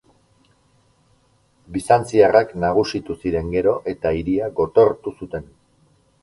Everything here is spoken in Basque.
Bizantziarrak nagusitu ziren gero, eta hiria gotortu zuten.